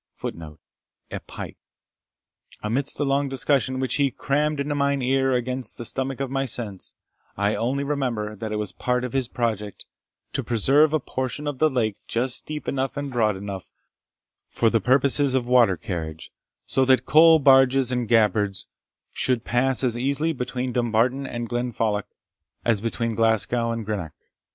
* A pike. Amidst a long discussion, which he "crammed into mine ear against the stomach of my sense," I only remember, that it was part of his project to preserve a portion of the lake just deep enough and broad enough for the purposes of water carriage, so that coal barges and gabbards should pass as easily between Dumbarton and Glenfalloch as between Glasgow and Greenock.